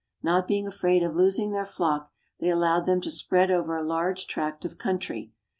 Not being afraid of losing their flock, they allowed them to spread over a large tract of country.